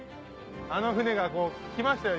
あの船が来ましたよ